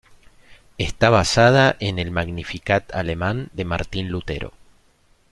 Está basada en el "Magnificat" alemán de Martín Lutero.